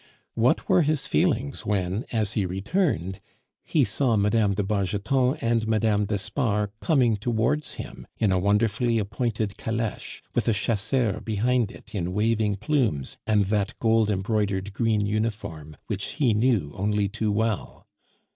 What were his feelings when, as he returned, he saw Mme. de Bargeton and Mme. d'Espard coming towards him in a wonderfully appointed caleche, with a chasseur behind it in waving plumes and that gold embroidered green uniform which he knew only too well.